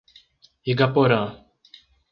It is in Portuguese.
Igaporã